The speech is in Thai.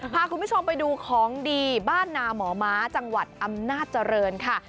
พาคุณผู้ชมไปดูของดีบ้านนาหมอม้าจังหวัดอำนาจเจริญค่ะ